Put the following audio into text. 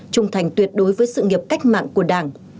trung thành tuyệt đối với sự nghiệp cách mạng của đảng